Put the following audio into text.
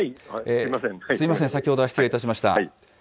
すみません、先ほどは失礼いたしました。